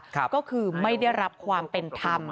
ก็คือไม่ได้รับความเป็นธรรม